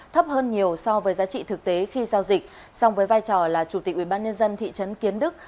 thấp hơn nhiều so với giá trị thực tế khi giao dịch song với vai trò là chủ tịch ubnd thị trấn kiến đức